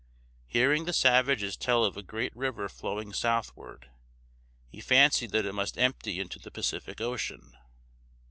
Hearing the savages tell of a great river flowing southward, he fancied that it must empty into the Pacific Ocean.